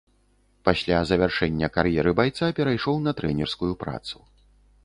Пасля завяршэння кар'еры байца перайшоў на трэнерскую працу.